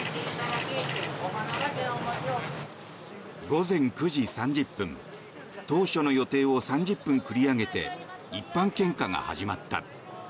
午前９時３０分当初の予定を３０分繰り上げて一般献花が始まった。